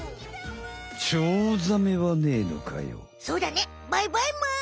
そうだねバイバイむ。